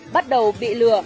bắt đầu bị lừa